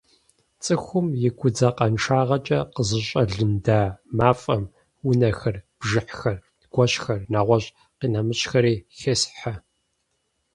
ЦӀыхум и гудзакъэншагъэкӀэ къызэщӀэлында мафӀэм унэхэр, бжыхьхэр, гуэщхэр нэгъуэщӏ къинэмыщӏхэри хесхьэ.